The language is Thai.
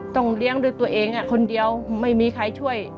เลี้ยงด้วยตัวเองคนเดียวไม่มีใครช่วย